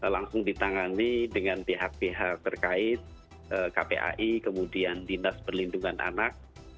langsung ditangani dengan pihak pihak terkait kpai kemudian dinas perlindungan anak